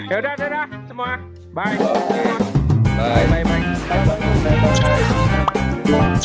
yaudah yaudah semua bye